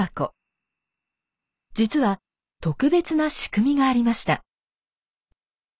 実は特別な仕組みがありました。